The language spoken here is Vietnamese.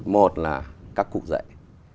một là các cụ dạy